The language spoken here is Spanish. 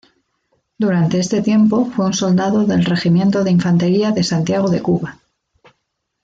Durante este tiempo fue un soldado del regimiento de infantería de Santiago de Cuba.